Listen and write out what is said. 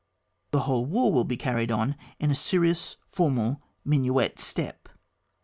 The whole war will be carried on in a serious formal minuet step.